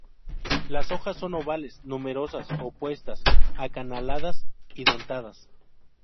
Las hojas son ovales, numerosas, opuestas, acanaladas y dentadas.